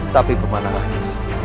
tapi pemana rasa